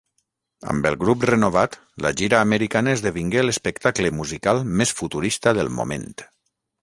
Amb el grup renovat, la gira americana esdevingué l'espectacle musical més futurista del moment.